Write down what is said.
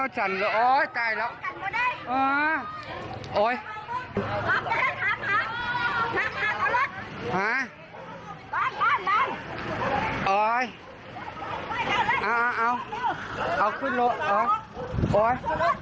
จบ๑๖๐๐บาทเขาขึ้นละกันแก่น้อย